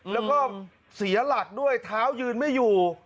แล้วก็เสียหลักด้วยเท้ายืนไม่อยู่